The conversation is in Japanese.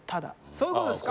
そういうことですか。